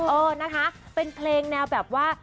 เออนะคะเป็นเพลงแนวแบบว่า